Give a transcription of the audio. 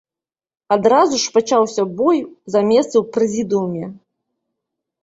Адразу ж пачаўся бой за месцы ў прэзідыуме.